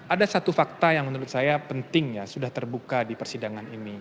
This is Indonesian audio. ada satu fakta yang menurut saya penting ya sudah terbuka di persidangan ini